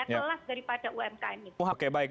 kelas daripada umkm ini